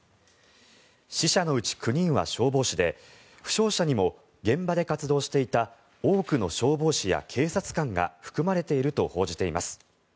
死者のうち９人は消防士で負傷者にも現場で活動していた多くの消防士や警察官が含まれていると報じています。